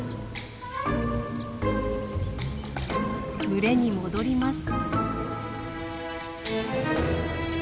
群れに戻ります。